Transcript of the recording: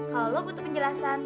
kalau lo butuh penjelasan